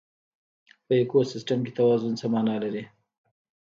په ایکوسیستم کې توازن څه مانا لري؟